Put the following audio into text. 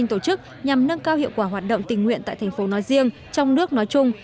tổ chức nhằm nâng cao hiệu quả hoạt động tình nguyện tại thành phố nói riêng trong nước nói chung